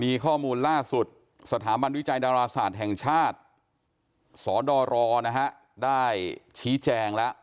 มีข้อมูลล่าสุดสถาบันวิจัยดาราศาสตร์แห่งชาติสดรนะฮะได้ชี้แจงแล้ว